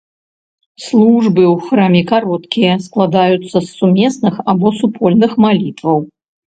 Службы ў храме кароткія, складаюцца з сумесных або супольных малітваў.